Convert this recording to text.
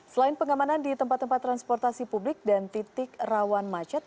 selain pengamanan di tempat tempat transportasi publik dan titik rawan macet